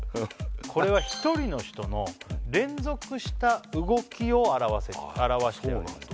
これは１人の人の連続した動きを表してるんです